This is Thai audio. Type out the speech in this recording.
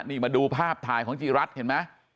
นี่มาดูภาพถ่ายของจิรัทธ์เห็นมั้ย